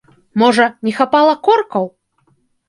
Можа, не хапала коркаў?